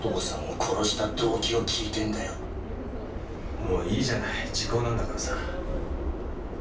もういいじゃない時効なんだからさ。